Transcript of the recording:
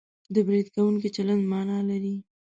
د برید کوونکي چلند مانا لري